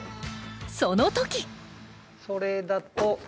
その時それだと。